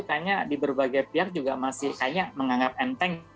makanya di berbagai pihak juga masih kayaknya menganggap enteng